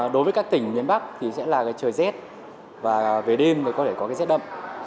đối với các tỉnh miền bắc thì sẽ là trời rét và về đêm có thể có cái rét đậm